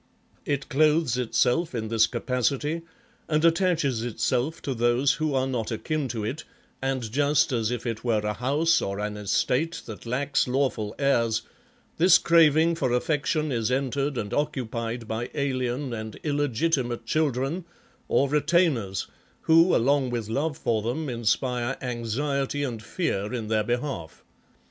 It clothes itself in this capacity, and attaches itself to those who are not akin to it, and just as if it were a house or an estate that lacks lawful heirs, this craving for affection is entered and occupied by alien and illegitimate children, or retainers, who, along with love for them, inspire anxiety and fear in their behalf.